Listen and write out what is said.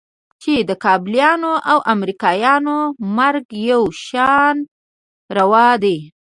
چې د کابليانو او امريکايانو مرګ يو شان روا دى.